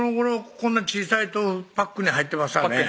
こんな小さいパックに入ってますわね